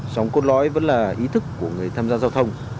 sóng cốt lói vẫn là ý thức của người tham gia giao thông